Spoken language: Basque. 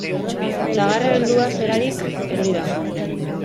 Sagarra heldua zelarik erori da.